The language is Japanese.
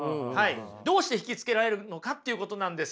どうして引きつけられるのかっていうことなんですよ。